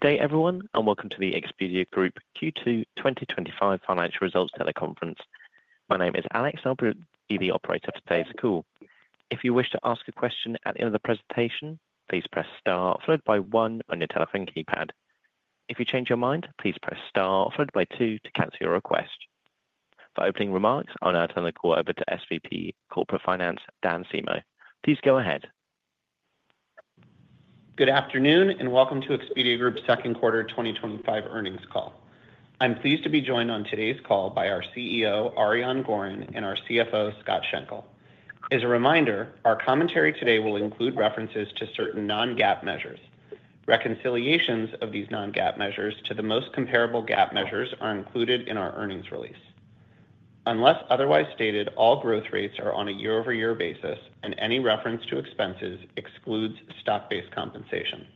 Good day, everyone, and welcome to the Expedia Group Q2 2025 financial results teleconference. My name is Alex, and I'll be the operator for today's call. If you wish to ask a question at the end of the presentation, please press star followed by one on your telephone keypad. If you change your mind, please press star followed by two to cancel your request. For opening remarks, I'll now turn the call over to SVP Corporate Finance, Dan Semo. Please go ahead. Good afternoon, and welcome to Expedia Group's second quarter 2025 earnings call. I'm pleased to be joined on today's call by our CEO, Ariane Gorin, and our CFO, Scott Schenkel. As a reminder, our commentary today will include references to certain non-GAAP measures. Reconciliations of these non-GAAP measures to the most comparable GAAP measures are included in our earnings release. Unless otherwise stated, all growth rates are on a year-over-year basis, and any reference to expenses excludes stock-based compensation.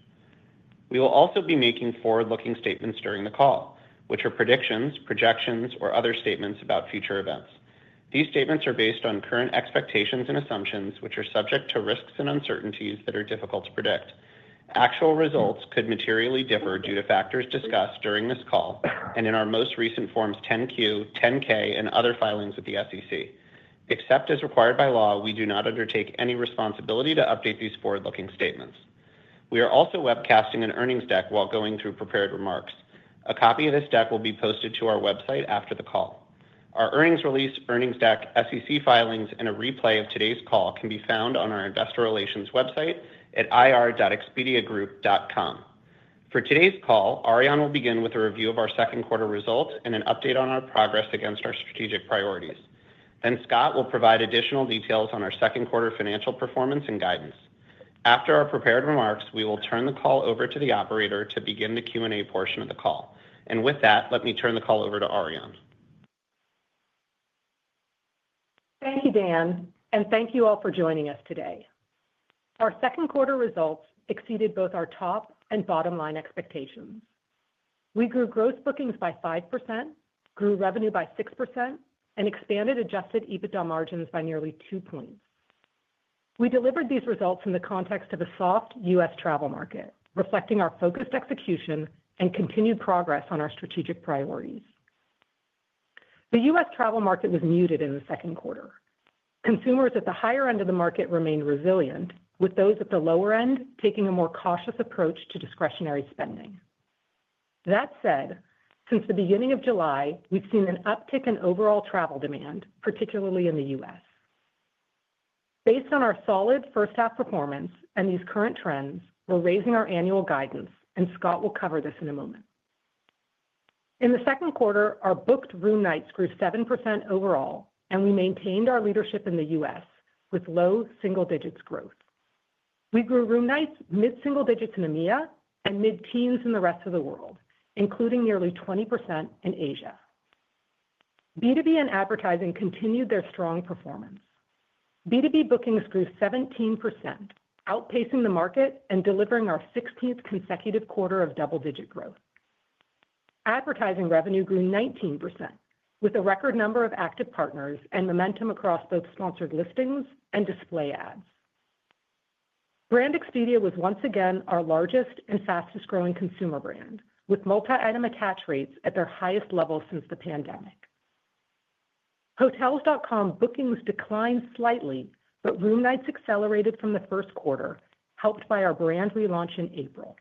We will also be making forward-looking statements during the call, which are predictions, projections, or other statements about future events. These statements are based on current expectations and assumptions, which are subject to risks and uncertainties that are difficult to predict. Actual results could materially differ due to factors discussed during this call and in our most recent forms 10-Q, 10-K, and other filings with the SEC. Except as required by law, we do not undertake any responsibility to update these forward-looking statements. We are also webcasting an earnings deck while going through prepared remarks. A copy of this deck will be posted to our website after the call. Our earnings release, earnings deck, SEC filings, and a replay of today's call can be found on our investor relations website at ir.expediagroup.com. For today's call, Ariane will begin with a review of our second quarter results and an update on our progress against our strategic priorities. Scott will provide additional details on our second quarter financial performance and guidance. After our prepared remarks, we will turn the call over to the operator to begin the Q&A portion of the call. With that, let me turn the call over to Ariane. Thank you, Dan, and thank you all for joining us today. Our second quarter results exceeded both our top and bottom line expectations. We grew Gross Bookings by 5%, grew revenue by 6%, and expanded Adjusted EBITDA margins by nearly two points. We delivered these results in the context of a soft U.S. travel market, reflecting our focused execution and continued progress on our strategic priorities. The U.S. travel market was muted in the second quarter. Consumers at the higher end of the market remained resilient, with those at the lower end taking a more cautious approach to discretionary spending. That said, since the beginning of July, we've seen an uptick in overall travel demand, particularly in the U.S. Based on our solid first-half performance and these current trends, we're raising our annual guidance, and Scott will cover this in a moment. In the second quarter, our Booked Room Nights grew 7% overall, and we maintained our leadership in the U.S. with low single-digits growth. We grew room nights mid-single digits in EMEA and mid-teens in the rest of the world, including nearly 20% in Asia. B2B and advertising continued their strong performance. B2B bookings grew 17%, outpacing the market and delivering our 16th consecutive quarter of double-digit growth. Advertising revenue grew 19%, with a record number of active partners and momentum across both sponsored listings and display ads. Brand Expedia was once again our largest and fastest growing consumer brand, with multi-item attach rates at their highest level since the pandemic. hotels.com bookings declined slightly, but room nights accelerated from the first quarter, helped by our brand relaunch in April.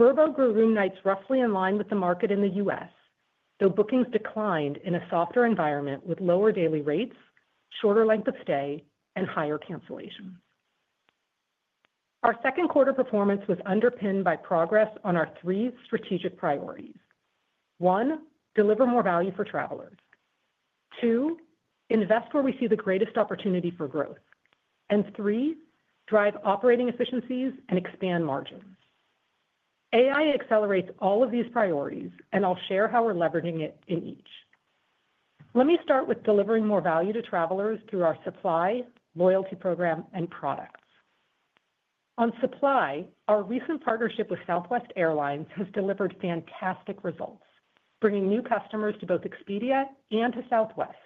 Vrbo grew room nights roughly in line with the market in the U.S., though bookings declined in a softer environment with lower daily rates, shorter length of stay, and higher cancellation. Our second quarter performance was underpinned by progress on our three strategic priorities: one, deliver more value for travelers; two, invest where we see the greatest opportunity for growth; and three, drive operating efficiencies and expand margins. AI accelerates all of these priorities, and I'll share how we're leveraging it in each. Let me start with delivering more value to travelers through our supply, loyalty program, and products. On supply, our recent partnership with Southwest Airlines has delivered fantastic results, bringing new customers to both Expedia and to Southwest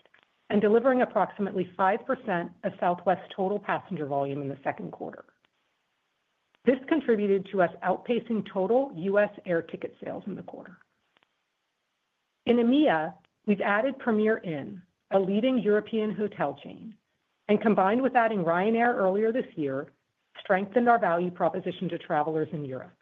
and delivering approximately 5% of Southwest's total passenger volume in the second quarter. This contributed to us outpacing total U.S. air ticket sales in the quarter. In EMEA, we've added Premier Inn, a leading European hotel chain, and combined with adding Ryanair earlier this year, strengthened our value proposition to travelers in Europe.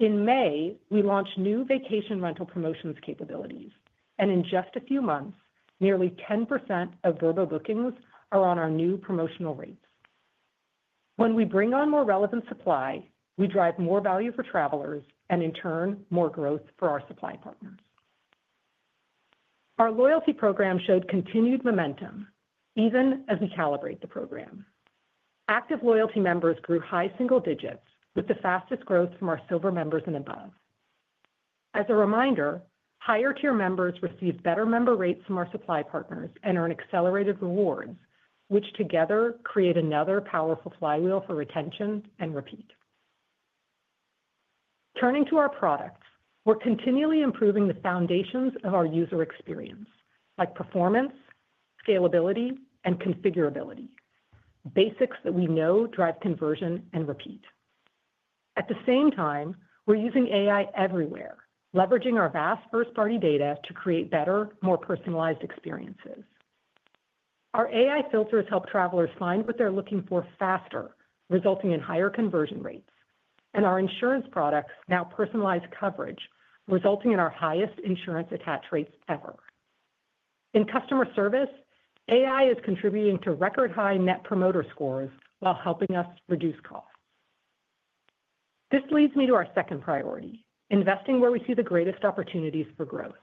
In May, we launched new vacation rental promotions capabilities, and in just a few months, nearly 10% of Vrbo bookings are on our new promotional rates. When we bring on more relevant supply, we drive more value for travelers and, in turn, more growth for our supply partners. Our loyalty program showed continued momentum even as we calibrate the program. Active loyalty members grew high single digits, with the fastest growth from our silver members and above. As a reminder, higher-tier members receive better member rates from our supply partners and earn accelerated rewards, which together create another powerful flywheel for retention and repeat. Turning to our products, we're continually improving the foundations of our user experience, like performance, scalability, and configurability, basics that we know drive conversion and repeat. At the same time, we're using AI everywhere, leveraging our vast first-party data to create better, more personalized experiences. Our AI filters help travelers find what they're looking for faster, resulting in higher conversion rates, and our insurance products now personalize coverage, resulting in our highest insurance attach rates ever. In customer service, AI is contributing to record-high net promoter scores while helping us reduce costs. This leads me to our second priority: investing where we see the greatest opportunities for growth.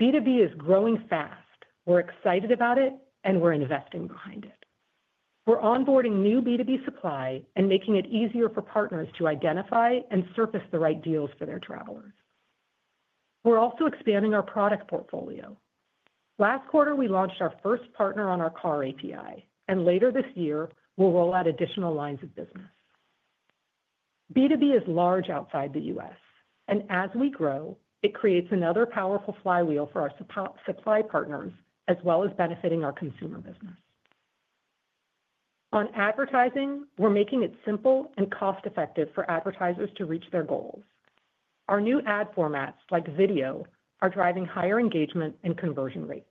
B2B is growing fast. We're excited about it, and we're investing behind it. We're onboarding new B2B supply and making it easier for partners to identify and surface the right deals for their travelers. We're also expanding our product portfolio. Last quarter, we launched our first partner on our car API, and later this year, we'll roll out additional lines of business. B2B is large outside the U.S., and as we grow, it creates another powerful flywheel for our supply partners, as well as benefiting our consumer business. On advertising, we're making it simple and cost-effective for advertisers to reach their goals. Our new ad formats, like video, are driving higher engagement and conversion rates.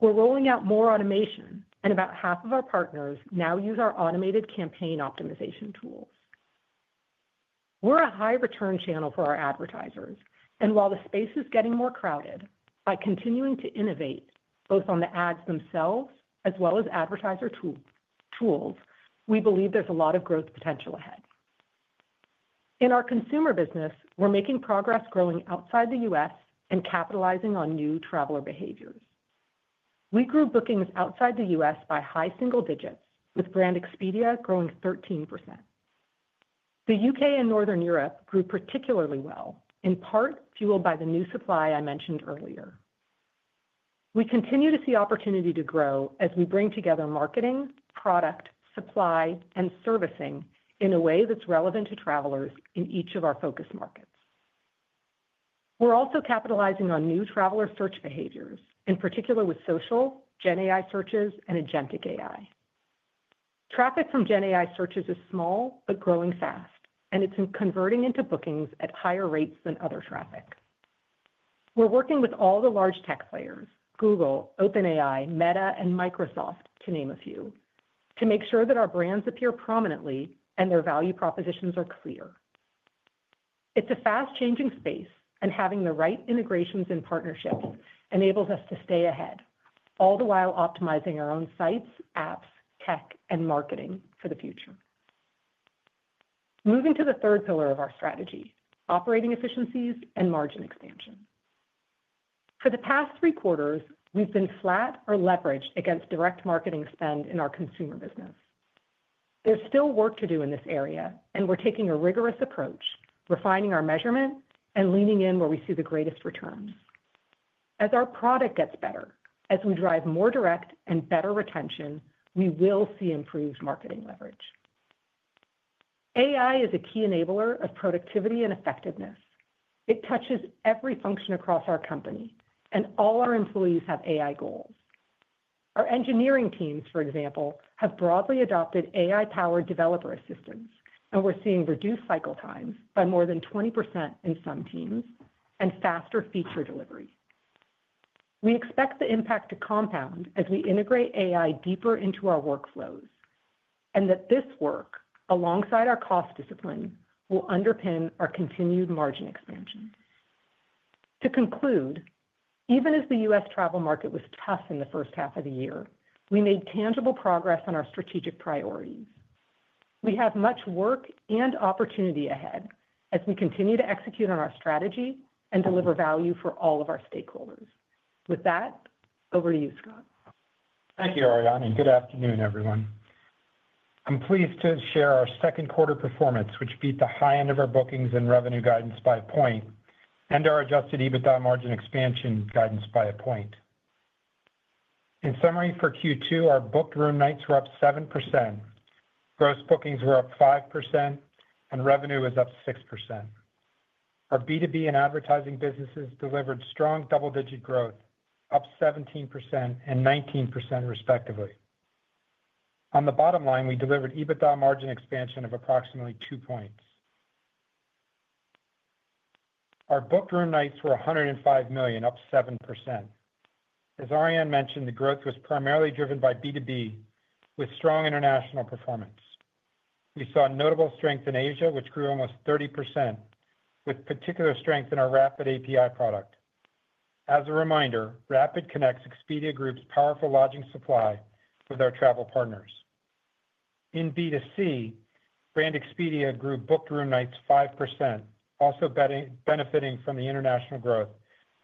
We're rolling out more automation, and about half of our partners now use our automated campaign optimization tools. We're a high-return channel for our advertisers, and while the space is getting more crowded, by continuing to innovate both on the ads themselves as well as advertiser tools, we believe there's a lot of growth potential ahead. In our consumer business, we're making progress growing outside the U.S. and capitalizing on new traveler behaviors. We grew bookings outside the U.S. by high single digits, with Brand Expedia growing 13%. The U.K. and Northern Europe grew particularly well, in part fueled by the new supply I mentioned earlier. We continue to see opportunity to grow as we bring together marketing, product, supply, and servicing in a way that's relevant to travelers in each of our focus markets. We're also capitalizing on new traveler search behaviors, in particular with social, generative AI searches, and agentic AI. Traffic from generative AI searches is small but growing fast, and it's converting into bookings at higher rates than other traffic. We're working with all the large tech players, Google, OpenAI, Meta, and Microsoft, to name a few, to make sure that our brands appear prominently and their value propositions are clear. It's a fast-changing space, and having the right integrations and partnerships enables us to stay ahead, all the while optimizing our own sites, apps, tech, and marketing for the future. Moving to the third pillar of our strategy: operating efficiencies and margin expansion. For the past three quarters, we've been flat on leverage against direct marketing spend in our consumer business. There's still work to do in this area, and we're taking a rigorous approach, refining our measurement, and leaning in where we see the greatest returns. As our product gets better, as we drive more direct and better retention, we will see improved marketing leverage. AI is a key enabler of productivity and effectiveness. It touches every function across our company, and all our employees have AI goals. Our engineering teams, for example, have broadly adopted AI-powered developer assistance, and we're seeing reduced cycle times by more than 20% in some teams and faster feature delivery. We expect the impact to compound as we integrate AI deeper into our workflows, and that this work, alongside our cost discipline, will underpin our continued margin expansion. To conclude, even as the U.S. travel market was tough in the first half of the year, we made tangible progress on our strategic priorities. We have much work and opportunity ahead as we continue to execute on our strategy and deliver value for all of our stakeholders. With that, over to you, Scott. Thank you, Ariane, and good afternoon, everyone. I'm pleased to share our second quarter performance, which beat the high end of our bookings and revenue guidance by a point, and our Adjusted EBITDA margin expansion guidance by a point. In summary, for Q2, our Booked Room Nights were up 7%, Gross Bookings were up 5%, and revenue was up 6%. Our B2B and advertising businesses delivered strong double-digit growth, up 17% and 19% respectively. On the bottom line, we delivered EBITDA margin expansion of approximately two points. Our Booked Room Nights were 105 million, up 7%. As Ariane mentioned, the growth was primarily driven by B2B, with strong international performance. We saw notable strength in Asia, which grew almost 30%, with particular strength in our Rapid API product. As a reminder, Rapid connects Expedia Group's powerful lodging supply with our travel partners. In B2C, Brand Expedia grew Booked Room Nights 5%, also benefiting from the international growth,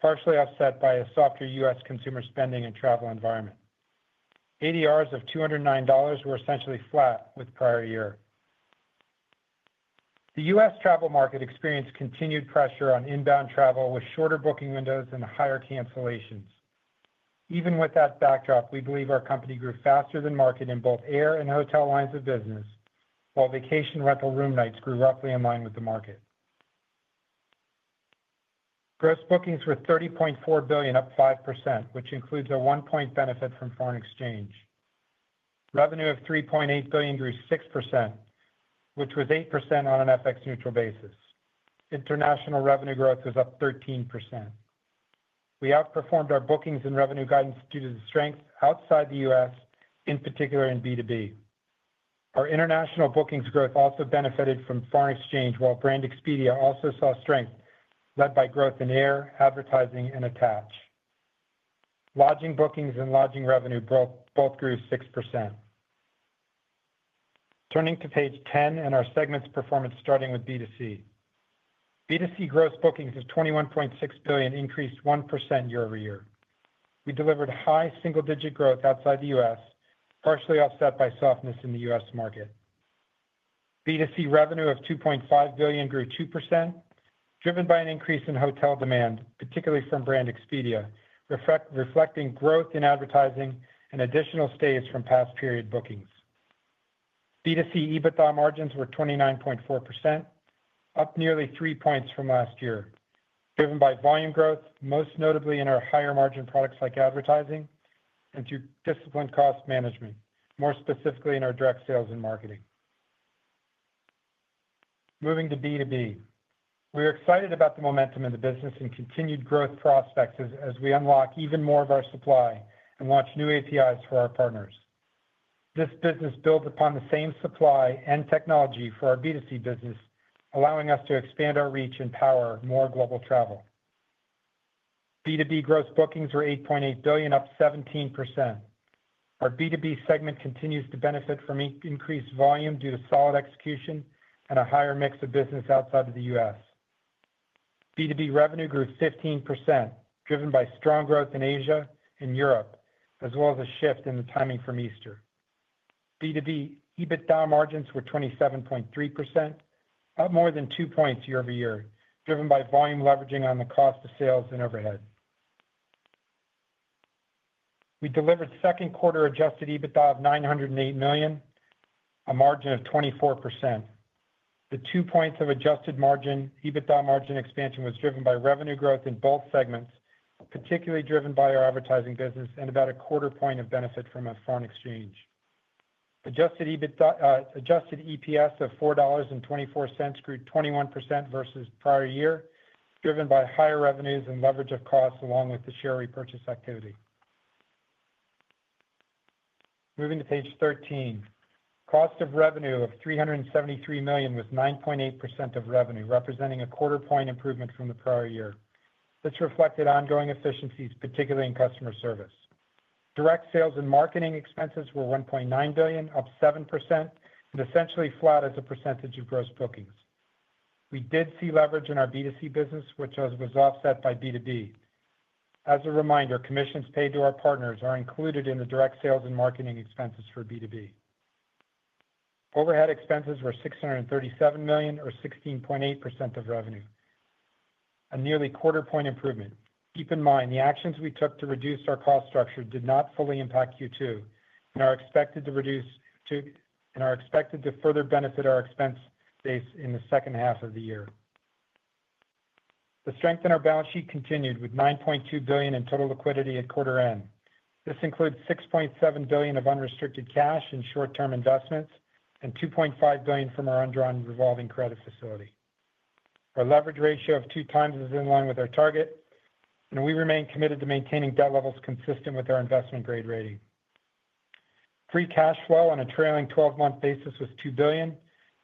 partially offset by a softer U.S. consumer spending and travel environment. ADRs of $209 were essentially flat with prior year. The U.S. travel market experienced continued pressure on inbound travel with shorter booking windows and higher cancellations. Even with that backdrop, we believe our company grew faster than market in both air and hotel lines of business, while vacation rental room nights grew roughly in line with the market. Gross Bookings were $30.4 billion, up 5%, which includes a one-point benefit from foreign exchange. Revenue of $3.8 billion grew 6%, which was 8% on an FX Neutral basis. International revenue growth was up 13%. We outperformed our bookings and revenue guidance due to the strength outside the U.S., in particular in B2B. Our international bookings growth also benefited from foreign exchange, while Brand Expedia also saw strength led by growth in air, advertising, and attach. Lodging bookings and lodging revenue both grew 6%. Turning to page 10 and our segments' performance, starting with B2C. B2C Gross Bookings of $21.6 billion increased 1% year-over-year. We delivered high single-digit growth outside the U.S., partially offset by softness in the U.S. market. B2C revenue of $2.5 billion grew 2%, driven by an increase in hotel demand, particularly from Brand Expedia, reflecting growth in advertising and additional stays from past-period bookings. B2C EBITDA margins were 29.4%, up nearly three points from last year, driven by volume growth, most notably in our higher margin products like advertising and through disciplined cost management, more specifically in our direct sales and marketing. Moving to B2B, we are excited about the momentum in the business and continued growth prospects as we unlock even more of our supply and launch new APIs for our partners. This business builds upon the same supply and technology for our B2C business, allowing us to expand our reach and power more global travel. B2B Gross Bookings were $8.8 billion, up 17%. Our B2B segment continues to benefit from increased volume due to solid execution and a higher mix of business outside of the U.S. B2B revenue grew 15%, driven by strong growth in Asia and Europe, as well as a shift in the timing from Easter. B2B EBITDA margins were 27.3%, up more than two points year-over-year, driven by volume leveraging on the cost of sales and overhead. We delivered second quarter Adjusted EBITDA of $908 million, a margin of 24%. The two points of Adjusted EBITDA margin expansion were driven by revenue growth in both segments, particularly driven by our advertising business and about a quarter point of benefit from a foreign exchange. Adjusted EPS of $4.24 grew 21% versus prior year, driven by higher revenues and leverage of costs along with the share repurchase activity. Moving to page 13, cost of revenue of $373 million was 9.8% of revenue, representing a quarter point improvement from the prior year. This reflected ongoing efficiencies, particularly in customer service. Direct sales and marketing expenses were $1.9 billion, up 7%, and essentially flat as a percentage of Gross Bookings. We did see leverage in our B2C business, which was offset by B2B. As a reminder, commissions paid to our partners are included in the direct sales and marketing expenses for B2B. Overhead expenses were $637 million, or 16.8% of revenue, a nearly quarter point improvement. Keep in mind, the actions we took to reduce our cost structure did not fully impact Q2 and are expected to further benefit our expense base in the second half of the year. The strength in our balance sheet continued with $9.2 billion in total liquidity at quarter end. This includes $6.7 billion of unrestricted cash in short-term investments and $2.5 billion from our undrawn revolving credit facility. Our Leverage Ratio of 2 times is in line with our target, and we remain committed to maintaining debt levels consistent with our investment grade rating. Free Cash Flow on a trailing 12-month basis was $2 billion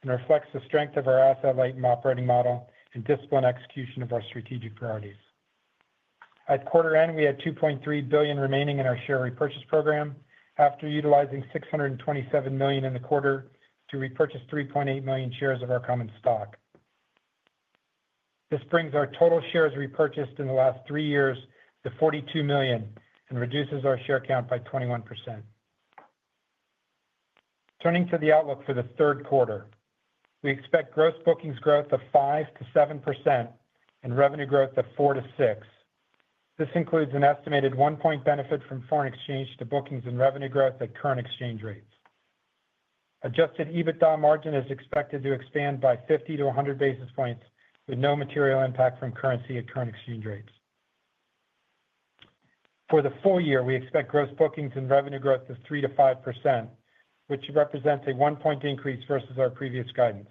and reflects the strength of our asset-light and operating model and disciplined execution of our strategic priorities. At quarter end, we had $2.3 billion remaining in our Share Repurchase Program after utilizing $627 million in the quarter to repurchase 3.8 million shares of our common stock. This brings our total shares repurchased in the last 3 years to 42 million and reduces our share count by 21%. Turning to the outlook for the third quarter, we expect Gross Bookings growth of 5%-7% and revenue growth of 4%-6%. This includes an estimated 1-point benefit from foreign exchange to bookings and revenue growth at current exchange rates. Adjusted EBITDA margin is expected to expand by 50-100 basis points with no material impact from currency at current exchange rates. For the full year, we expect Gross Bookings and revenue growth of 3%-5%, which represents a 1-point increase versus our previous guidance.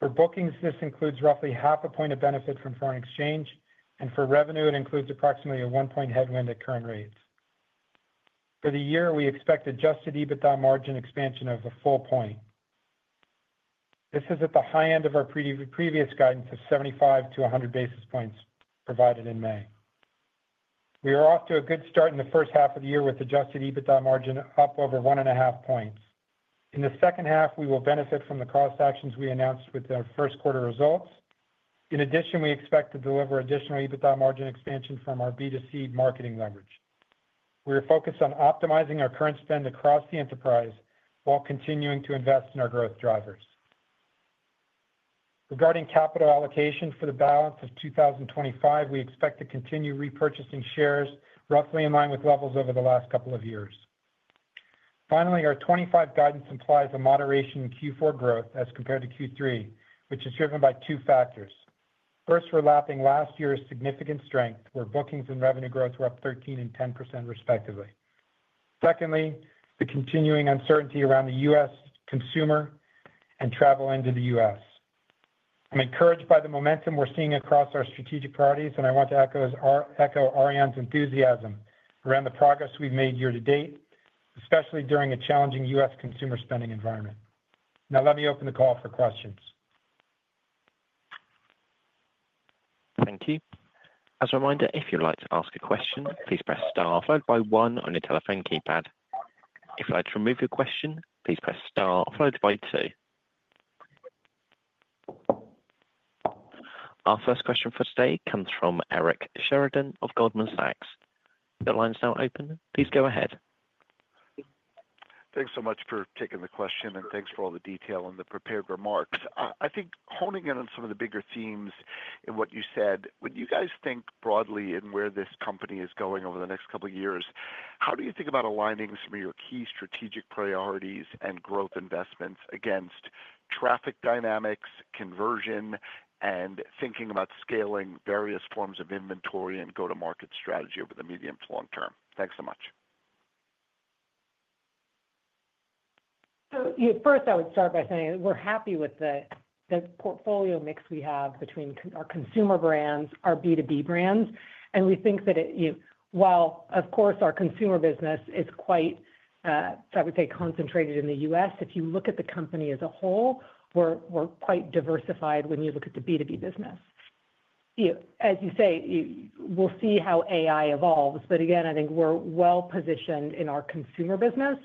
For bookings, this includes roughly half a point of benefit from foreign exchange, and for revenue, it includes approximately a 1-point headwind at current rates. For the year, we expect Adjusted EBITDA margin expansion of a full point. This is at the high end of our previous guidance of 75-100 basis points provided in May. We are off to a good start in the first half of the year with Adjusted EBITDA margin up over 1.5 points. In the second half, we will benefit from the cost actions we announced with our first quarter results. In addition, we expect to deliver additional EBITDA margin expansion from our B2C marketing leverage. We are focused on optimizing our current spend across the enterprise while continuing to invest in our growth drivers. Regarding capital allocation for the balance of 2025, we expect to continue repurchasing shares roughly in line with levels over the last couple of years. Finally, our 2025 guidance implies a moderation in Q4 growth as compared to Q3, which is driven by two factors. First, we're lapping last year's significant strength, where bookings and revenue growth were up 13% and 10% respectively. Secondly, the continuing uncertainty around the U.S. consumer and travel into the U.S. I'm encouraged by the momentum we're seeing across our strategic priorities, and I want to echo Ariane's enthusiasm around the progress we've made year to date, especially during a challenging U.S. consumer spending environment. Now, let me open the call for questions. Thank you. As a reminder, if you'd like to ask a question, please press star followed by one on your telephone keypad. If you'd like to remove your question, please press star followed by two. Our first question for today comes from Eric Sheridan of Goldman Sachs Group. The line's now open. Please go ahead. Thanks so much for taking the question, and thanks for all the detail and the prepared remarks. I think honing in on some of the bigger themes in what you said, when you guys think broadly in where this company is going over the next couple of years, how do you think about aligning some of your key strategic priorities and growth investments against traffic dynamics, conversion, and thinking about scaling various forms of inventory and go-to-market strategy over the medium to long term? Thanks so much. First, I would start by saying we're happy with the portfolio mix we have between our consumer brands, our B2B brands, and we think that it, while, of course, our consumer business is quite, I would say, concentrated in the U.S., if you look at the company as a whole, we're quite diversified when you look at the B2B business. As you say, we'll see how AI evolves, but again, I think we're well positioned in our consumer business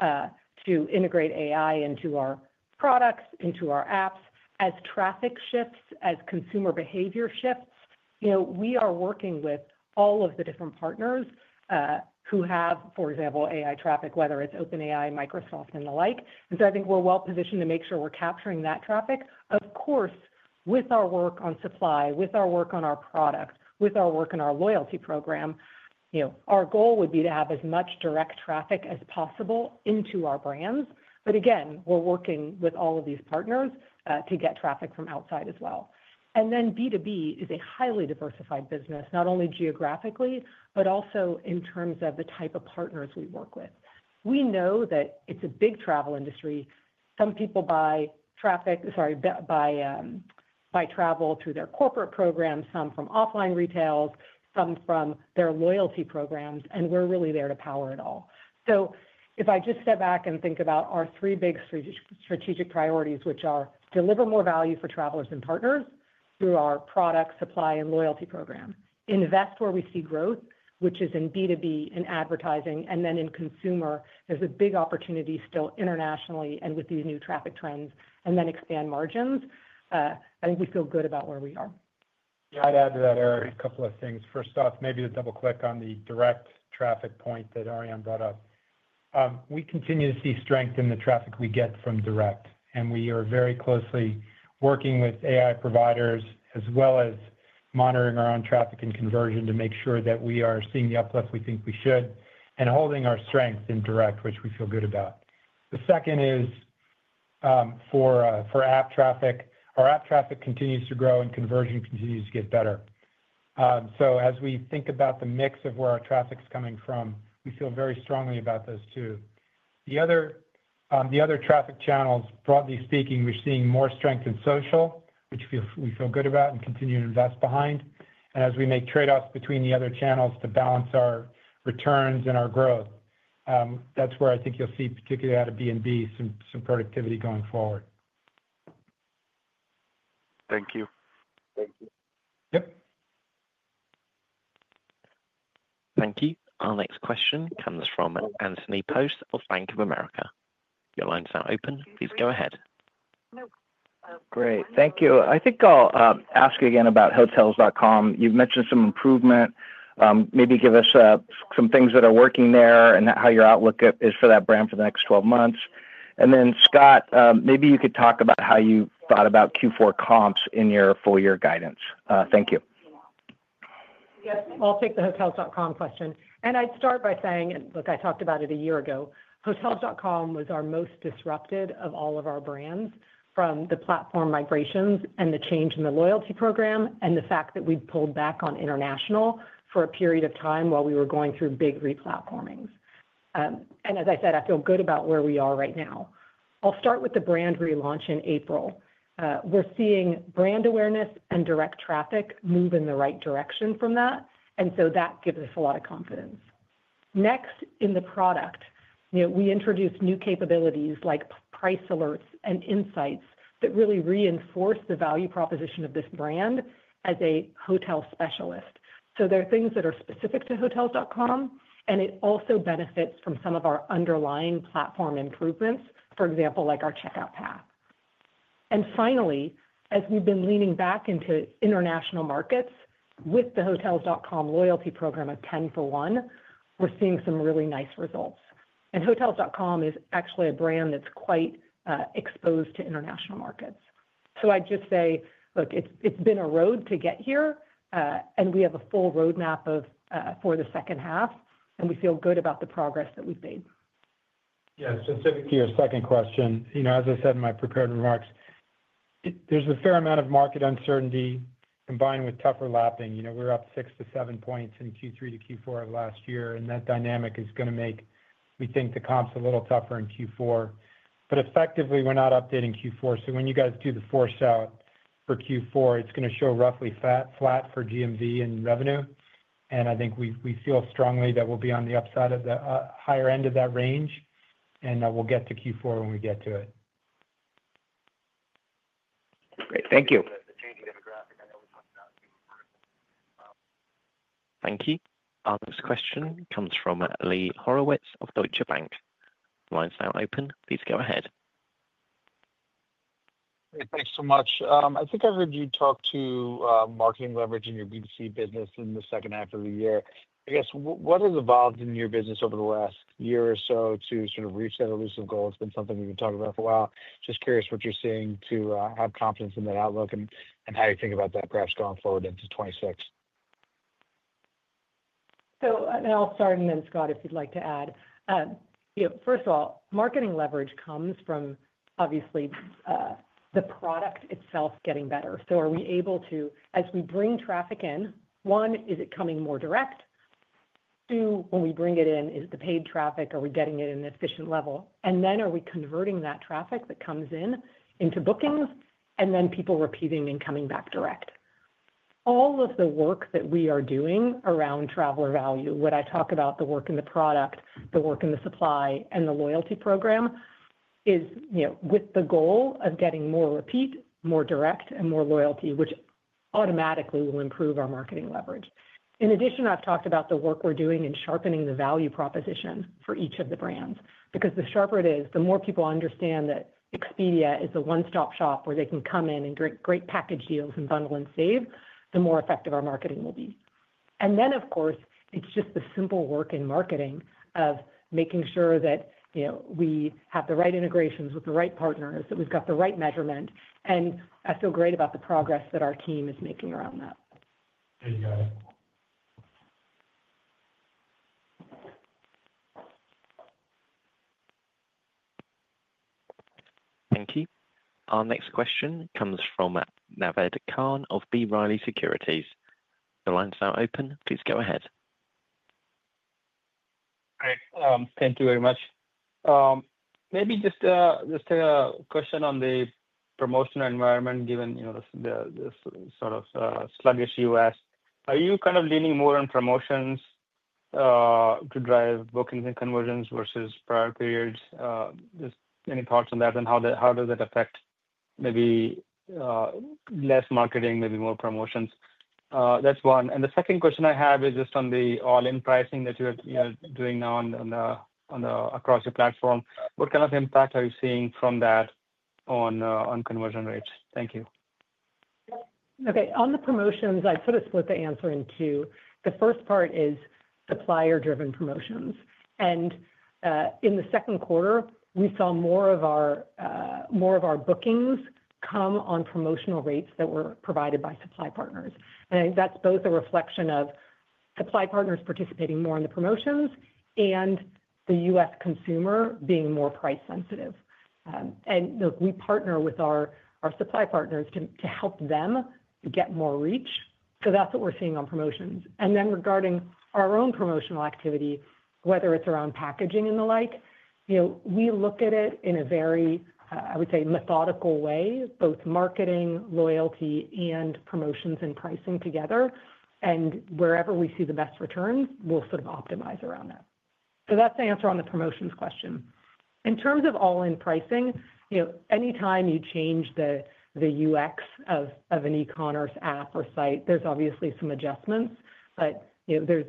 to integrate AI into our products, into our apps. As traffic shifts, as consumer behavior shifts, we are working with all of the different partners who have, for example, AI traffic, whether it's OpenAI, Microsoft, and the like. I think we're well positioned to make sure we're capturing that traffic. Of course, with our work on supply, with our work on our product, with our work in our loyalty program, our goal would be to have as much direct traffic as possible into our brands. We're working with all of these partners to get traffic from outside as well. B2B is a highly diversified business, not only geographically, but also in terms of the type of partners we work with. We know that it's a big travel industry. Some people buy travel through their corporate programs, some from offline retails, some from their loyalty programs, and we're really there to power it all. If I just step back and think about our three big strategic priorities, which are deliver more value for travelers and partners through our product, supply, and loyalty program, invest where we see growth, which is in B2B and advertising, and then in consumer, there's a big opportunity still internationally and with these new traffic trends, and then expand margins, I think we feel good about where we are. Yeah, I'd add to that, Eric, a couple of things. First off, maybe to double click on the direct traffic point that Ariane brought up. We continue to see strength in the traffic we get from direct, and we are very closely working with AI providers as well as monitoring our own traffic and conversion to make sure that we are seeing the uplift we think we should and holding our strength in direct, which we feel good about. The second is for app traffic. Our app traffic continues to grow and conversion continues to get better. As we think about the mix of where our traffic's coming from, we feel very strongly about those two. The other traffic channels, broadly speaking, we're seeing more strength in social, which we feel good about and continue to invest behind. As we make trade-offs between the other channels to balance our returns and our growth, that's where I think you'll see, particularly out of B2B, some productivity going forward. Thank you. Thank you. Our next question comes from Justin Post of BofA Securities. Your line's now open. Please go ahead. Great. Thank you. I think I'll ask again about hotels.com. You've mentioned some improvement. Maybe give us some things that are working there and how your outlook is for that brand for the next 12 months. Scott, maybe you could talk about how you thought about Q4 comps in your full-year guidance. Thank you. Yes, I'll take the hotels.com question. I'd start by saying, I talked about it a year ago, hotels.com was our most disrupted of all of our brands from the platform migrations and the change in the loyalty program and the fact that we pulled back on international for a period of time while we were going through big re-platformings. As I said, I feel good about where we are right now. I'll start with the brand relaunch in April. We're seeing brand awareness and direct traffic move in the right direction from that, which gives us a lot of confidence. Next, in the product, we introduced new capabilities like price alerts and insights that really reinforce the value proposition of this brand as a hotel specialist. There are things that are specific to hotels.com, and it also benefits from some of our underlying platform improvements, for example, our checkout path. Finally, as we've been leaning back into international markets with the hotels.com loyalty program of 10 for 1, we're seeing some really nice results. hotels.com is actually a brand that's quite exposed to international markets. It's been a road to get here, and we have a full roadmap for the second half, and we feel good about the progress that we've made. Yeah, specific to your second question, as I said in my prepared remarks, there's a fair amount of market uncertainty combined with tougher lapping. We're up 6%-7% in Q3 to Q4 of last year, and that dynamic is going to make me think the comps are a little tougher in Q4. Effectively, we're not updating Q4. When you guys do the force out for Q4, it's going to show roughly flat for GMV and revenue. I think we feel strongly that we'll be on the upside of the higher end of that range, and we'll get to Q4 when we get to it. Great. Thank you. Thank you. Our next question comes from Lee Horowitz of Deutsche Bank AG. The line's now open. Please go ahead. Thanks so much. I think I heard you talk to marketing leverage in your B2C business in the second half of the year. I guess, what has evolved in your business over the last year or so to sort of reach that elusive goal? It's been something we've been talking about for a while. Just curious what you're seeing to have confidence in that outlook and how you think about that perhaps going forward into 2026. I'll start, and then Scott, if you'd like to add. First of all, marketing leverage comes from, obviously, the product itself getting better. Are we able to, as we bring traffic in, one, is it coming more direct? Two, when we bring it in, is the paid traffic, are we getting it in an efficient level? Then are we converting that traffic that comes in into bookings and then people repeating and coming back direct? All of the work that we are doing around traveler value, when I talk about the work in the product, the work in the supply, and the loyalty program, is with the goal of getting more repeat, more direct, and more loyalty, which automatically will improve our marketing leverage. In addition, I've talked about the work we're doing in sharpening the value proposition for each of the brands. The sharper it is, the more people understand that Expedia is the one-stop shop where they can come in and get great package deals and bundle and save, the more effective our marketing will be. Of course, it's just the simple work in marketing of making sure that we have the right integrations with the right partners, that we've got the right measurement. I feel great about the progress that our team is making around that. Thank you, guys. Thank you. Our next question comes from Naved Khan of B. Riley Securities. The line's now open. Please go ahead. Thank you very much. Maybe just a question on the promotional environment, given, you know, this sort of sluggish U.S. Are you kind of leaning more on promotions to drive bookings and conversions versus prior periods? Just any thoughts on that, and how does it affect maybe less marketing, maybe more promotions? That's one. The second question I have is just on the all-in pricing that you're doing now across your platform. What kind of impact are you seeing from that on conversion rates? Thank you. Okay. On the promotions, I'd sort of split the answer in two. The first part is supplier-driven promotions. In the second quarter, we saw more of our bookings come on promotional rates that were provided by supply partners. I think that's both a reflection of supply partners participating more in the promotions and the U.S. consumer being more price sensitive. We partner with our supply partners to help them get more reach. That's what we're seeing on promotions. Regarding our own promotional activity, whether it's around packaging and the like, we look at it in a very, I would say, methodical way, both marketing, loyalty, and promotions and pricing together. Wherever we see the best returns, we'll sort of optimize around that. That's the answer on the promotions question. In terms of all-in pricing, anytime you change the UX of an e-commerce app or site, there's obviously some adjustments, but there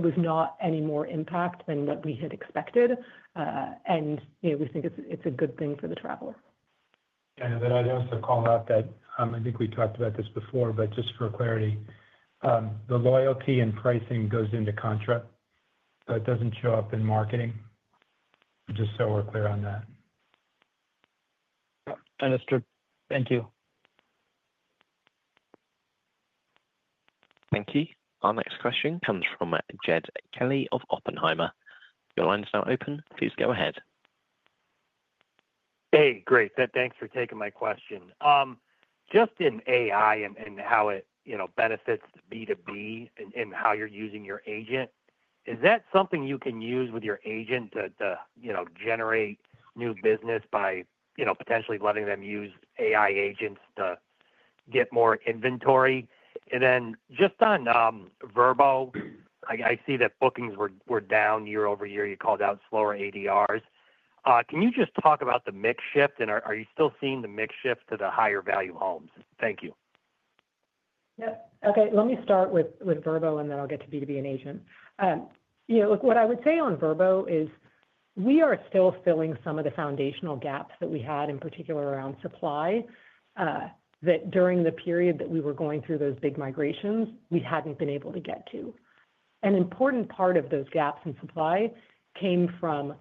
was not any more impact than what we had expected. We think it's a good thing for the traveler. I know that I'd also call out that I think we talked about this before, but just for clarity, the loyalty and pricing goes into contract, so it doesn't show up in marketing. Just so we're clear on that. Understood. Thank you. Thank you. Our next question comes from Jed Kelly of Oppenheimer & Co. Inc. Your line is now open. Please go ahead. Hey, great. Thanks for taking my question. Just in AI and how it, you know, benefits B2B and how you're using your agent, is that something you can use with your agent to, you know, generate new business by, you know, potentially letting them use AI agents to get more inventory? Just on Vrbo, I see that bookings were down year-over-year. You called out slower ADRs. Can you just talk about the mix shift and are you still seeing the mix shift to the higher value homes? Thank you. Yeah. Okay. Let me start with Vrbo and then I'll get to B2B and agent. What I would say on Vrbo is we are still filling some of the foundational gaps that we had, in particular around supply, that during the period that we were going through those big migrations, we hadn't been able to get to. An important part of those gaps in supply came from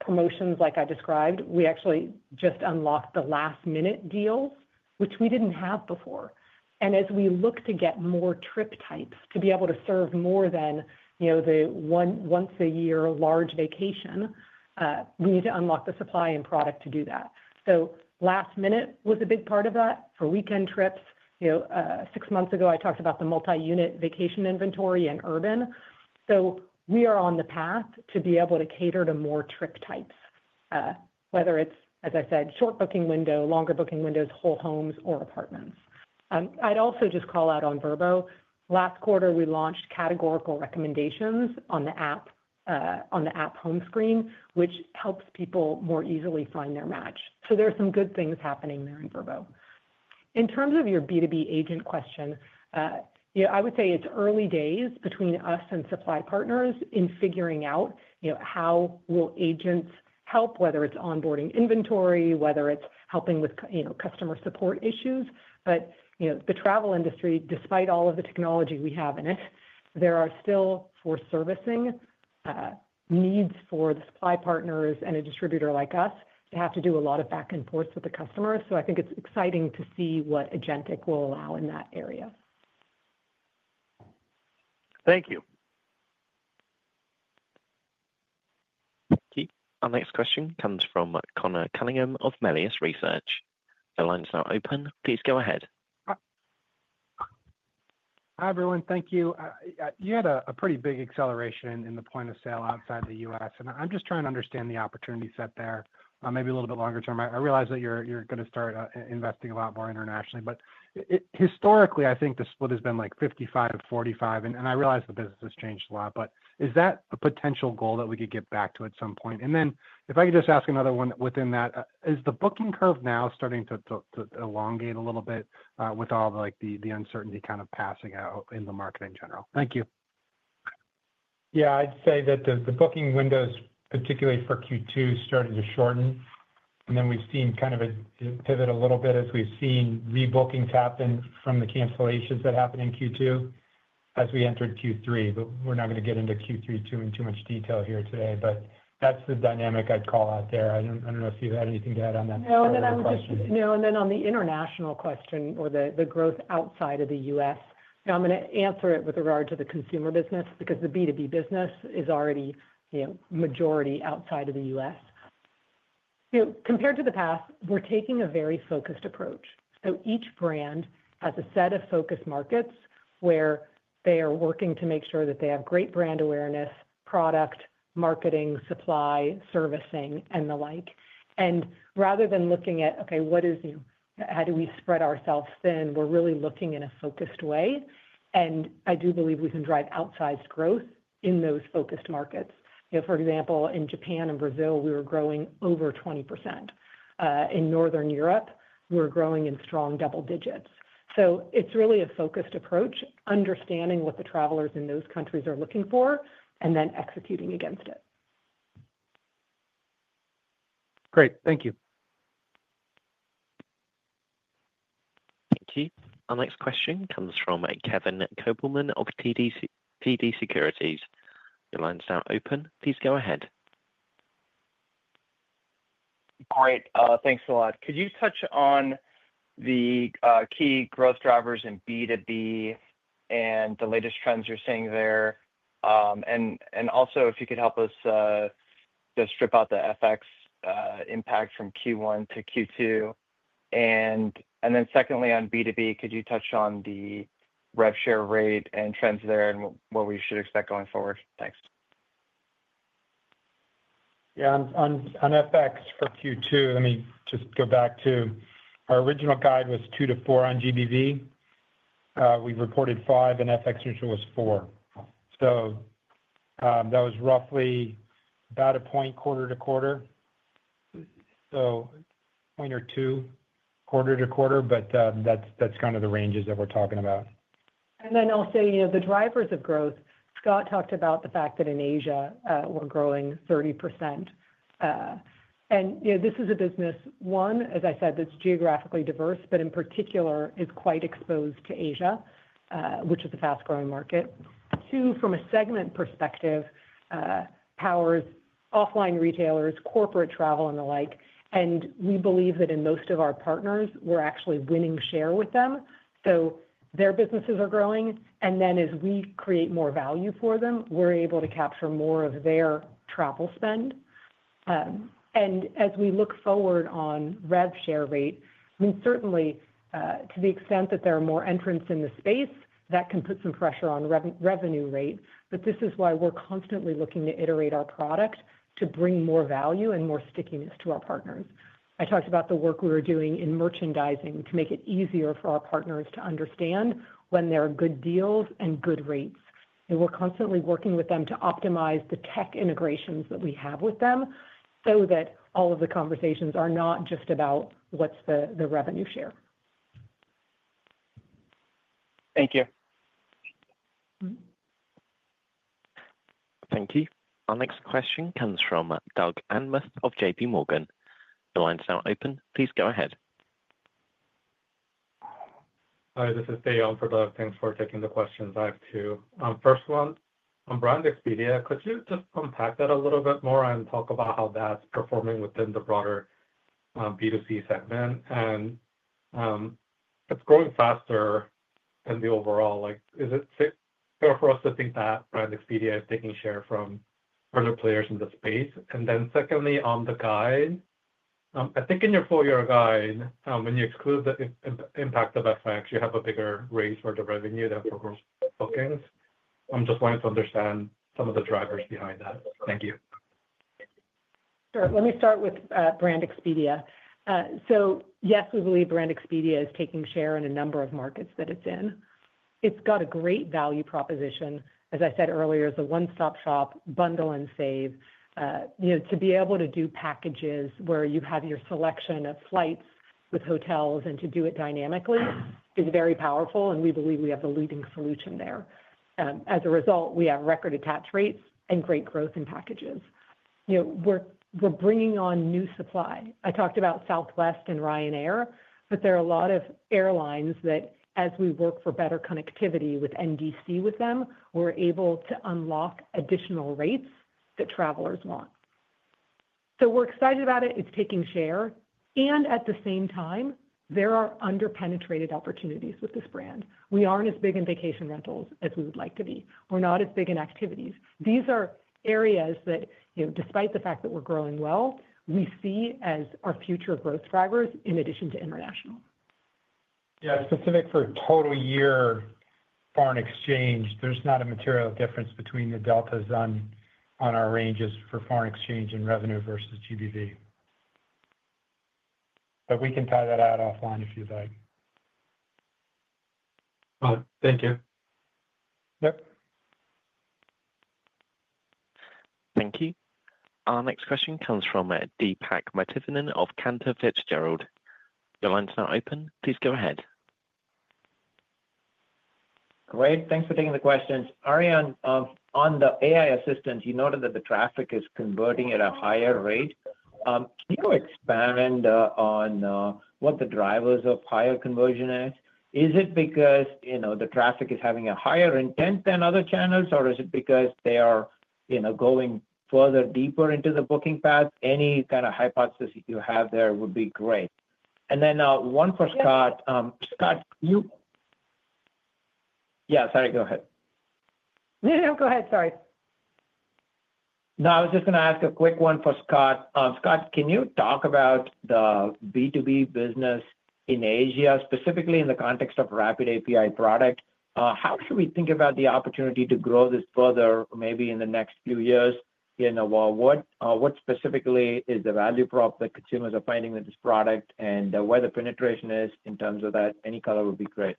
promotions like I described. We actually just unlocked the last-minute deal, which we didn't have before. As we look to get more trip types to be able to serve more than, you know, the once-a-year large vacation, we need to unlock the supply and product to do that. Last minute was a big part of that for weekend trips. Six months ago, I talked about the multi-unit vacation inventory in urban. We are on the path to be able to cater to more trip types, whether it's, as I said, short booking window, longer booking windows, whole homes, or apartments. I'd also just call out on Vrbo, last quarter, we launched categorical recommendations on the app home screen, which helps people more easily find their match. There are some good things happening there in Vrbo. In terms of your B2B agent question, I would say it's early days between us and supply partners in figuring out how will agents help, whether it's onboarding inventory, whether it's helping with customer support issues. The travel industry, despite all of the technology we have in it, there are still for servicing needs for the supply partners and a distributor like us to have to do a lot of back and forth with the customer. I think it's exciting to see what Agentic will allow in that area. Thank you. Thank you. Our next question comes from Conor Cunningham of Melius Research. The line is now open. Please go ahead. Hi, everyone. Thank you. You had a pretty big acceleration in the point of sale outside the U.S., and I'm just trying to understand the opportunity set there, maybe a little bit longer term. I realize that you're going to start investing a lot more internationally, but historically, I think the split has been like 55-45, and I realize the business has changed a lot, but is that a potential goal that we could get back to at some point? If I could just ask another one within that, is the booking curve now starting to elongate a little bit with all the uncertainty kind of passing out in the market in general? Thank you. Yeah, I'd say that the booking windows, particularly for Q2, started to shorten, and we've seen kind of a pivot a little bit as we've seen rebookings happen from the cancellations that happened in Q2 as we entered Q3. We're not going to get into Q3 too much detail here today, but that's the dynamic I'd call out there. I don't know if you had anything to add on that. On the international question or the growth outside of the U.S., I'm going to answer it with regard to the consumer business because the B2B business is already majority outside of the U.S. Compared to the past, we're taking a very focused approach. Each brand has a set of focused markets where they are working to make sure that they have great brand awareness, product, marketing, supply, servicing, and the like. Rather than looking at how do we spread ourselves thin, we're really looking in a focused way. I do believe we can drive outside growth in those focused markets. For example, in Japan and Brazil, we were growing over 20%. In Northern Europe, we were growing in strong double digits. It's really a focused approach, understanding what the travelers in those countries are looking for, and then executing against it. Great, thank you. Thank you. Our next question comes from Kevin Kopelman of BofA Securities. Your line's now open. Please go ahead. Great. Thanks a lot. Could you touch on the key growth drivers in B2B and the latest trends you're seeing there? If you could help us strip out the FX impact from Q1 to Q2. Secondly, on B2B, could you touch on the rev share rate and trends there and what we should expect going forward? Thanks. Yeah, on FX for Q2, let me just go back to our original guide was 2%-4% on GDV. We've reported 5% in FX, which was 4%. That was roughly about a point quarter to quarter, a point or two quarter to quarter, but that's kind of the ranges that we're talking about. I'll say, you know, the drivers of growth, Scott talked about the fact that in Asia, we're growing 30%. This is a business, one, as I said, that's geographically diverse, but in particular is quite exposed to Asia, which is a fast-growing market. Two, from a segment perspective, powers offline retailers, corporate travel, and the like. We believe that in most of our partners, we're actually winning share with them. Their businesses are growing, and as we create more value for them, we're able to capture more of their travel spend. As we look forward on rev share rate, certainly, to the extent that there are more entrants in the space, that can put some pressure on revenue rate. This is why we're constantly looking to iterate our product to bring more value and more stickiness to our partners. I talked about the work we were doing in merchandising to make it easier for our partners to understand when there are good deals and good rates. We're constantly working with them to optimize the tech integrations that we have with them so that all of the conversations are not just about what's the revenue share. Thank you. Thank you. Our next question comes from Doug Anmuth of JPMorgan Chase & Co. The line's now open. Please go ahead. Hi, this is Theo for Doug. Thanks for taking the question. First one, on Brand Expedia, could you just unpack that a little bit more and talk about how that's performing within the broader B2C segment? It's growing faster in the overall, like, is it fair for us to think that Brand Expedia is taking share from other players in the space? Secondly, on the guide, I think in your full-year guide, when you exclude the impact of FX, you have a bigger raise for the revenue than for bookings. I'm just wanting to understand some of the drivers behind that. Thank you. Sure. Let me start with Brand Expedia. Yes, we believe Brand Expedia is taking share in a number of markets that it's in. It's got a great value proposition. As I said earlier, as a one-stop shop, bundle and save, to be able to do packages where you have your selection of flights with hotels and to do it dynamically is very powerful, and we believe we have the leading solution there. As a result, we have record attached rates and great growth in packages. We're bringing on new supply. I talked about Southwest Airlines and Ryanair, but there are a lot of airlines that, as we work for better connectivity with NDC with them, we're able to unlock additional rates that travelers want. We're excited about it. It's taking share. At the same time, there are underpenetrated opportunities with this brand. We aren't as big in vacation rentals as we would like to be. We're not as big in activities. These are areas that, despite the fact that we're growing well, we see as our future growth drivers in addition to international. Yeah, specific for total year foreign exchange, there's not a material difference between the deltas on our ranges for foreign exchange and revenue versus GDV. We can tie that add offline if you'd like. Thank you. Yeah. Thank you. Our next question comes from Deepak Mathivanan of Cantor Fitzgerald & Co. Your line's now open. Please go ahead. Great. Thanks for taking the questions. Ariane, on the AI assistants, you noted that the traffic is converting at a higher rate. Can you expand on what the drivers of higher conversion are? Is it because the traffic is having a higher intent than other channels, or is it because they are going further deeper into the booking path? Any kind of hypothesis you have there would be great. One for Scott. Scott, you... Yeah, sorry, go ahead. No, go ahead. Sorry. No, I was just going to ask a quick one for Scott. Scott, can you talk about the B2B business in Asia, specifically in the context of the Rapid API product? How should we think about the opportunity to grow this further maybe in the next few years in the world? What specifically is the value prop that consumers are finding with this product and where the penetration is in terms of that? Any color would be great.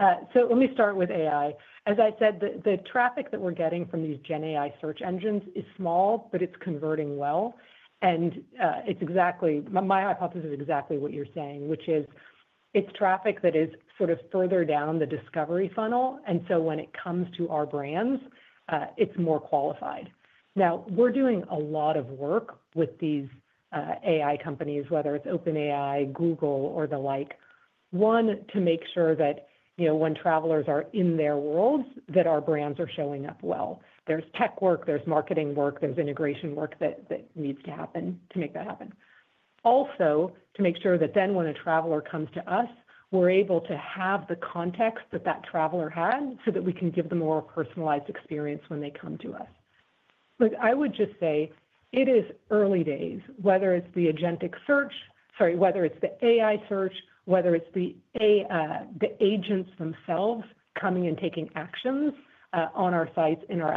Let me start with AI. As I said, the traffic that we're getting from these generative AI search engines is small, but it's converting well. It's exactly, my hypothesis is exactly what you're saying, which is it's traffic that is sort of further down the discovery funnel. When it comes to our brands, it's more qualified. We're doing a lot of work with these AI companies, whether it's OpenAI, Google, or the like, to make sure that, you know, when travelers are in their worlds, our brands are showing up well. There's tech work, there's marketing work, there's integration work that needs to happen to make that happen. Also, to make sure that when a traveler comes to us, we're able to have the context that that traveler had so that we can give them a more personalized experience when they come to us. I would just say it is early days, whether it's the agentic search, sorry, whether it's the AI search, whether it's the agents themselves coming and taking actions on our sites, in our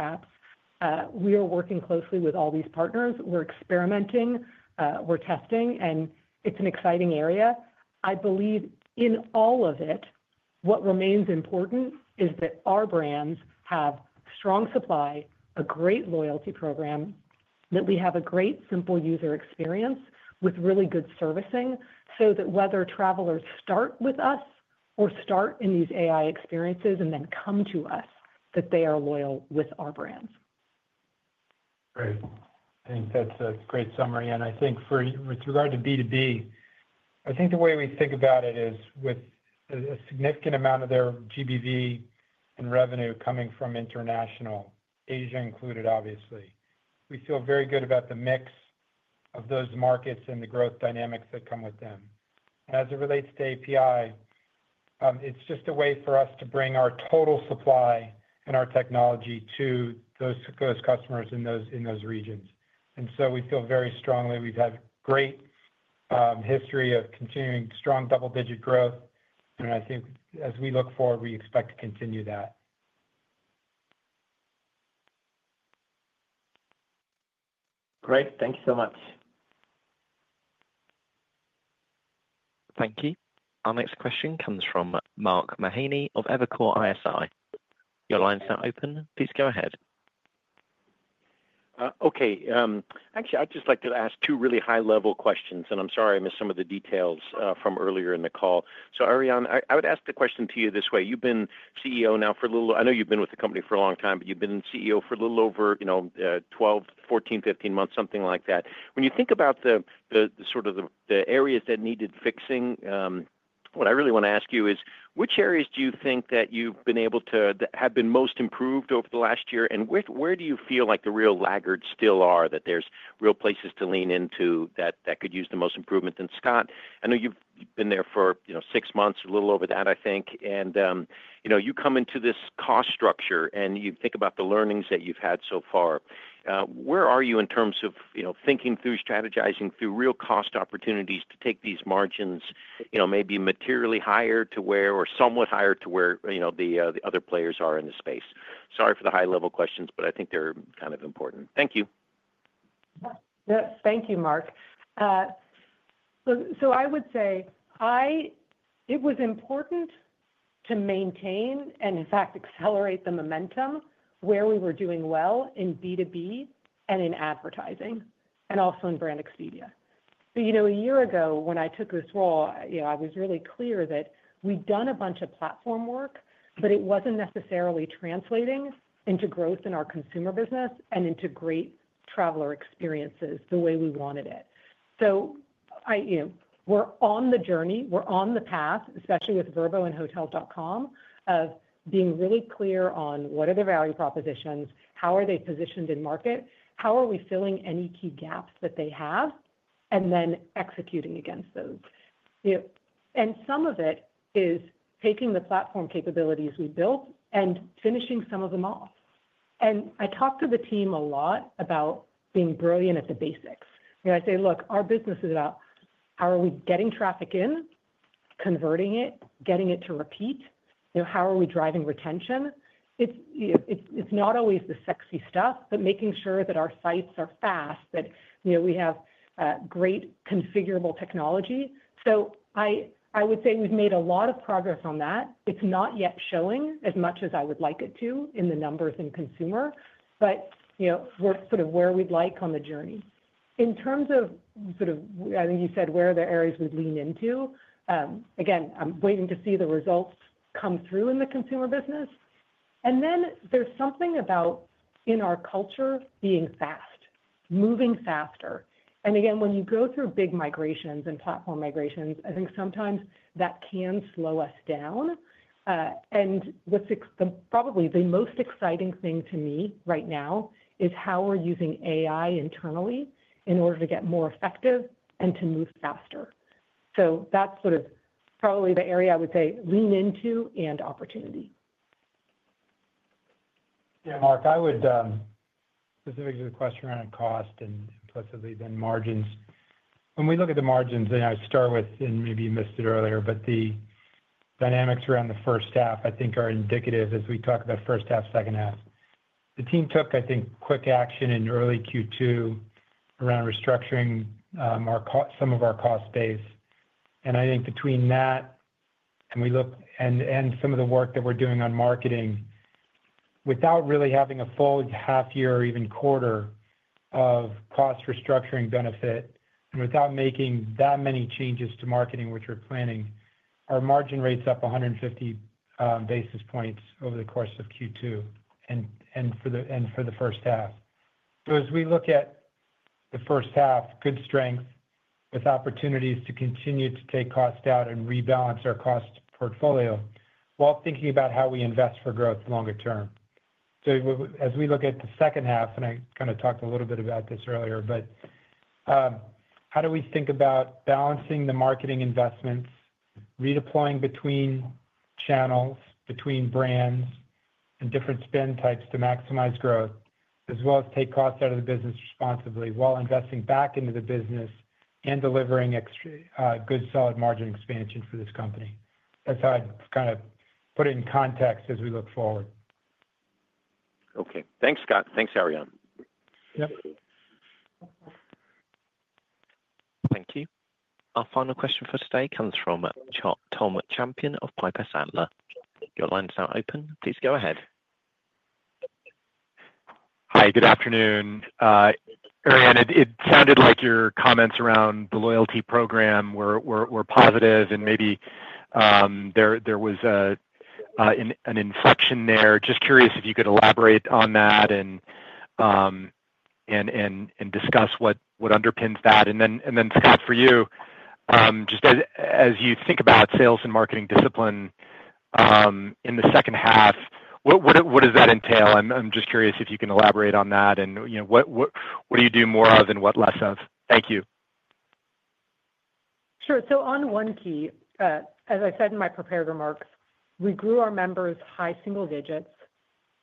apps. We are working closely with all these partners. We're experimenting, we're testing, and it's an exciting area. I believe in all of it. What remains important is that our brands have strong supply, a great loyalty program, that we have a great simple user experience with really good servicing so that whether travelers start with us or start in these AI experiences and then come to us, they are loyal with our brands. Great. I think that's a great summary. With regard to B2B, the way we think about it is with a significant amount of their GBV and revenue coming from international, Asia included, obviously, we feel very good about the mix of those markets and the growth dynamics that come with them. As it relates to API, it's just a way for us to bring our total supply and our technology to those customers in those regions. We feel very strongly we've had a great history of continuing strong double-digit growth. As we look forward, we expect to continue that. Great. Thank you so much. Thank you. Our next question comes from Mark Mahaney of Evercore ISI. Your line's now open. Please go ahead. Okay. Actually, I'd just like to ask two really high-level questions, and I'm sorry I missed some of the details from earlier in the call. Ariane, I would ask the question to you this way. You've been CEO now for a little... I know you've been with the company for a long time, but you've been CEO for a little over, you know, 12, 14, 15 months, something like that. When you think about the sort of the areas that needed fixing, what I really want to ask you is which areas do you think that you've been able to... that have been most improved over the last year? Where do you feel like the real laggards still are that there's real places to lean into that could use the most improvement? Scott, I know you've been there for, you know, six months, a little over that, I think. You come into this cost structure and you think about the learnings that you've had so far. Where are you in terms of, you know, thinking through strategizing through real cost opportunities to take these margins, you know, maybe materially higher to where or somewhat higher to where, you know, the other players are in the space? Sorry for the high-level questions, but I think they're kind of important. Thank you. Yes, thank you, Mark. I would say it was important to maintain and, in fact, accelerate the momentum where we were doing well in B2B and in advertising and also in Brand Expedia. A year ago, when I took this role, I was really clear that we'd done a bunch of platform work, but it wasn't necessarily translating into growth in our consumer business and into great traveler experiences the way we wanted it. We're on the journey, we're on the path, especially with Vrbo and hotels.com, of being really clear on what are their value propositions, how are they positioned in market, how are we filling any key gaps that they have, and then executing against those. Some of it is taking the platform capabilities we built and finishing some of them off. I talk to the team a lot about being brilliant at the basics. I say, look, our business is about how are we getting traffic in, converting it, getting it to repeat. How are we driving retention? It's not always the sexy stuff, but making sure that our sites are fast, that we have great configurable technology. I would say we've made a lot of progress on that. It's not yet showing as much as I would like it to in the numbers and consumer, but we're sort of where we'd like on the journey. In terms of, I think you said where are the areas we'd lean into, I'm waiting to see the results come through in the consumer business. There's something about in our culture being fast, moving faster. When you go through big migrations and platform migrations, I think sometimes that can slow us down. Probably the most exciting thing to me right now is how we're using AI internally in order to get more effective and to move faster. That's probably the area I would say lean into and opportunity. Yeah, Mark, I would specifically do the question around cost and possibly then margins. When we look at the margins, I start with, and maybe you missed it earlier, but the dynamics around the first half I think are indicative as we talk about first half, second half. The team took, I think, quick action in early Q2 around restructuring some of our cost base. I think between that and we look and some of the work that we're doing on marketing without really having a full half year or even quarter of cost restructuring benefit and without making that many changes to marketing, which we're planning, our margin rates are up 150 basis points over the course of Q2 and for the first half. As we look at the first half, good strength with opportunities to continue to take cost out and rebalance our cost portfolio while thinking about how we invest for growth longer term. As we look at the second half, and I kind of talked a little bit about this earlier, how do we think about balancing the marketing investments, redeploying between channels, between brands, and different spend types to maximize growth, as well as take costs out of the business responsibly while investing back into the business and delivering extra good solid margin expansion for this company? That's how I'd kind of put it in context as we look forward. Okay, thanks, Scott. Thanks, Ariane. Yep. Thank you. Our final question for today comes from Thomas Champion of Piper Sandler & Co. Your line's now open. Please go ahead. Hi, good afternoon. Ariane, it sounded like your comments around the loyalty program were positive and maybe there was an inflection there. Just curious if you could elaborate on that and discuss what underpins that. For you, just as you think about sales and marketing discipline in the second half, what does it entail? I'm just curious if you can elaborate on that and what do you do more of and what less of? Thank you. Sure. On One Key, as I said in my prepared remarks, we grew our members high single digits.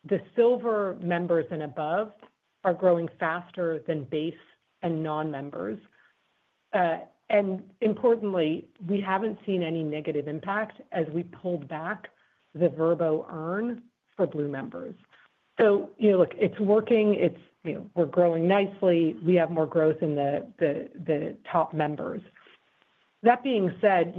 The silver members and above are growing faster than base and non-members. Importantly, we haven't seen any negative impact as we pulled back the Vrbo earn for blue members. It's working. We're growing nicely. We have more growth in the top members. That being said,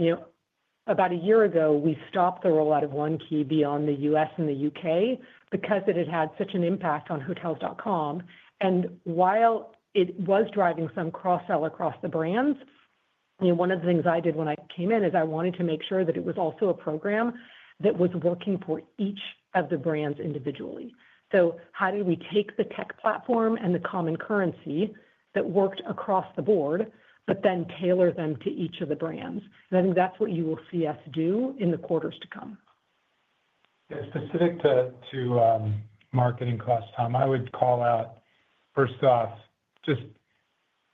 about a year ago, we stopped the rollout of One Key beyond the U.S. and the U.K. because it had had such an impact on hotels.com. While it was driving some cross-sell across the brands, one of the things I did when I came in is I wanted to make sure that it was also a program that was working for each of the brands individually. How did we take the tech platform and the common currency that worked across the board, but then tailor them to each of the brands? I think that's what you will see us do in the quarters to come. Specific to marketing cost, Tom, I would call out, first off, just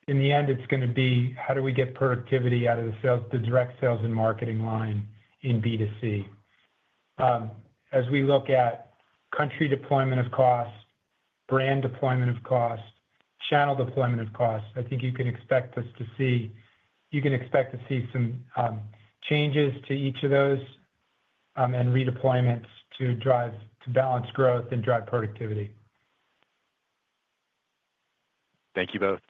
in the end, it's going to be how do we get productivity out of the sales to direct sales and marketing line in B2C. As we look at country deployment of cost, brand deployment of cost, channel deployment of cost, I think you can expect to see some changes to each of those and redeployments to drive balanced growth and drive productivity. Thank you both.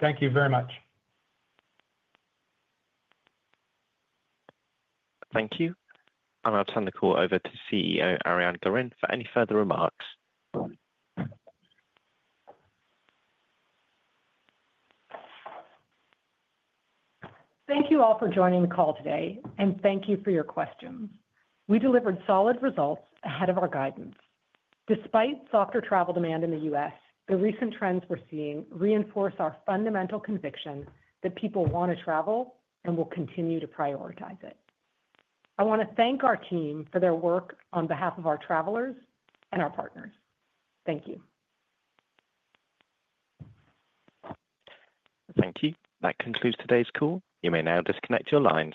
Thank you very much. Thank you. I'll now turn the call over to CEO Ariane Gorin for any further remarks. Thank you all for joining the call today, and thank you for your questions. We delivered solid results ahead of our guidance. Despite softer travel demand in the U.S., the recent trends we're seeing reinforce our fundamental conviction that people want to travel and will continue to prioritize it. I want to thank our team for their work on behalf of our travelers and our partners. Thank you. Thank you. That concludes today's call. You may now disconnect your lines.